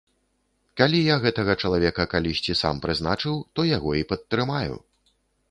Калі я гэтага чалавека калісьці сам прызначыў, то яго і падтрымаю.